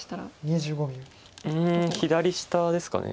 うん左下ですか。